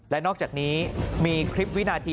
และนอกจากนี้มีคลิปวินาที